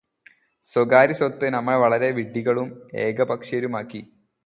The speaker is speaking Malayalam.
സ്വകാര്യ സ്വത്ത് നമ്മെ വളരെ വിഡ്ഢികളും ഏകപക്ഷീയരുമാക്കി